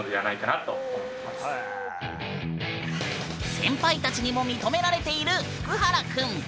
先輩たちにも認められているフクハラくん。